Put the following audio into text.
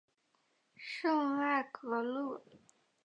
圣赖格勒。